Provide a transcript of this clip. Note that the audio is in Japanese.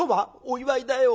「お祝いだよ。